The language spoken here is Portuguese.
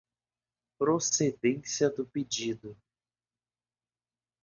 procedência do pedido